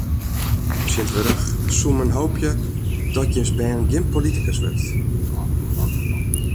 Tsjintwurdich soe men hoopje dat jins bern gjin politikus wurdt.